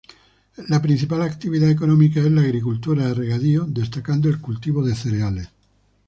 La principal actividad económica es la agricultura de regadío, destacando el cultivo de cereales.